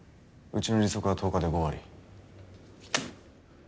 うちの利息は１０日で５割。